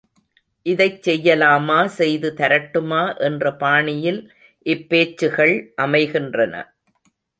இதைச் செய்யலாமா செய்து தரட்டுமா என்ற பாணியில் இப்பேச்சுகள் அமைகின்றன.